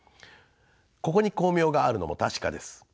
ここに光明があるのも確かです。